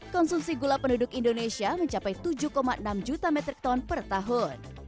konsumsi gula penduduk indonesia mencapai tujuh enam juta metric ton per tahun